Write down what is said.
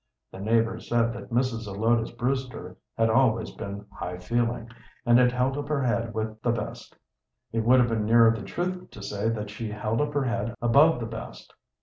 The neighbors said that Mrs. Zelotes Brewster had always been high feeling, and had held up her head with the best. It would have been nearer the truth to say that she held up her head above the best.